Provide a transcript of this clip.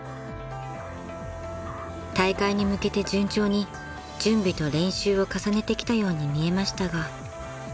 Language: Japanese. ［大会に向けて順調に準備と練習を重ねてきたように見えましたが］